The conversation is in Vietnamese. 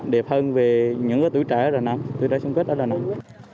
đẹp hơn về những tuổi trẻ ở đà nẵng tuổi trẻ sinh kết ở đà nẵng